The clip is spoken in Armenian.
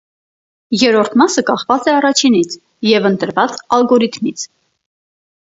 Երրորդ մասը կախված է առաջինից և ընտրված ալգորիթմից։